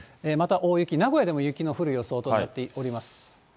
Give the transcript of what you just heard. また大雪、名古屋でも雪の降る予想となっております。